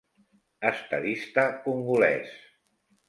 Estadista congolès.